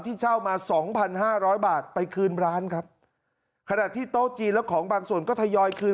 ที่เช่ามา๒๕๐๐บาทไปคืนร้านครับขณะที่โต๊ะจีนแล้วของบางส่วนก็ทยอยคืน